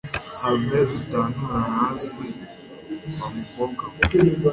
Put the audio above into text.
have utantura hasi wamukobwa we